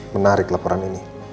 menarik laporan ini